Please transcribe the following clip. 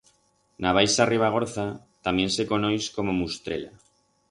En a Baixa Ribagorza, tamién se conoix como mustrela.